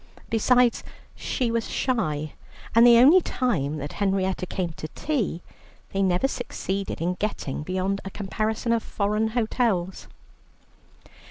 Besides, she was shy, and the only time that Henrietta came to tea they never succeeded in getting beyond a comparison of foreign hotels.